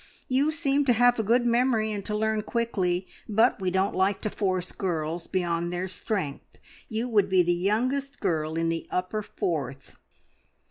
You seem to have a good memory and to learn quickly; but we don't like to force girls beyond their strength. You would be the youngest girl in the upper fourth."